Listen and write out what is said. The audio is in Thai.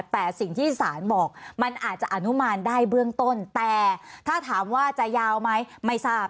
แต่สิ่งที่ศาลบอกมันอาจจะอนุมานได้เบื้องต้นแต่ถ้าถามว่าจะยาวไหมไม่ทราบ